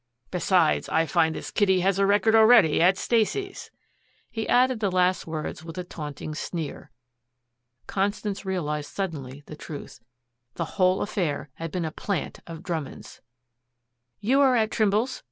Besides, I find this Kitty has a record already at Stacy's." He added the last words with a taunting sneer. Constance realized suddenly the truth. The whole affair had been a plant of Drummond's! "You are at Trimble's?"